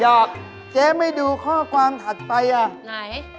เจ๊ไม่ดูข้อความถัดไปอ่ะไหน